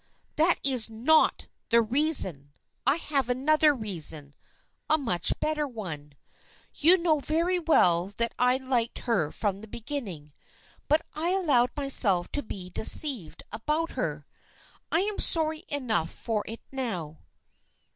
" That is not the reason ! I have another reason, a much better one. You know very well that I liked her from the beginning, but I allowed my self to be deceived about her. I am sorry enough for it now."